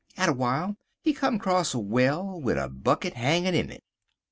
Atter w'ile he come crosst a well wid a bucket hangin' in it.